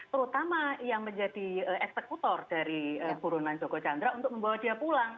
terutama yang menjadi eksekutor dari burunan joko chandra untuk membawa dia pulang